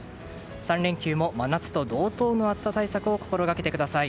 ３連休も真夏と同等の暑さ対策を心がけてください。